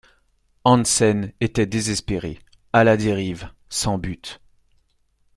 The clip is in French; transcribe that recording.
Hansen était désespéré, à la dérive, sans but.